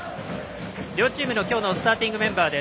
両チームの今日のスターティングメンバー。